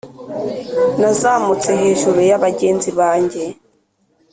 nazamutse hejuru ya bagenzi banjye,